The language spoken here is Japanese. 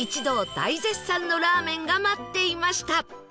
大絶賛のラーメンが待っていました